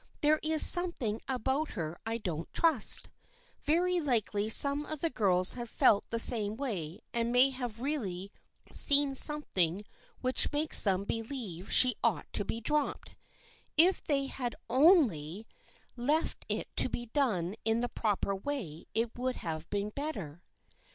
There is something about her I don't trust. Very likely some of the girls have felt the same way and may have really seen something which makes them be lieve she ought to be dropped. If they had only 80 THE FRIENDSHIP OF ANNE left it to be done in the proper way it would have been better."